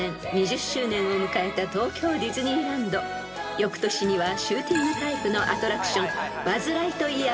［翌年にはシューティングタイプのアトラクション］